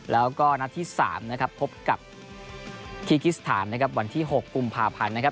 แล้วก็นัดที่๓พบกับคีกิสถานวันที่๖กุมภาพันธ์